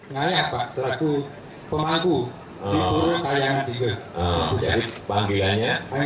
saya apa selaku pemangku di burung kayangan tiga